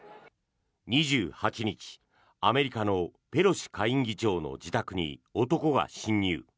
２８日、アメリカのペロシ下院議長の自宅に男が侵入。